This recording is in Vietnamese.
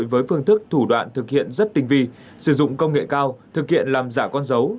với phương thức thủ đoạn thực hiện rất tinh vi sử dụng công nghệ cao thực hiện làm giả con dấu